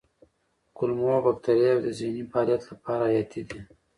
کولمو بکتریاوې د ذهني فعالیت لپاره حیاتي دي.